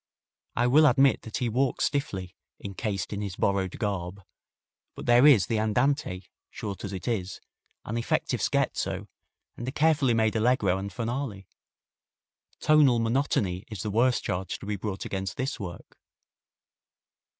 I will admit that he walks stiffly, encased in his borrowed garb, but there is the andante, short as it is, an effective scherzo and a carefully made allegro and finale. Tonal monotony is the worst charge to be brought against this work.